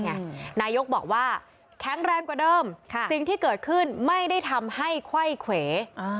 นายกบอกว่าแข็งแรงกว่าเดิมสิ่งที่เกิดขึ้นไม่ได้ทำให้ไขว้เขว